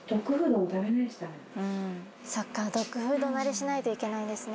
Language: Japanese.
そっかドッグフード慣れしないといけないんですね。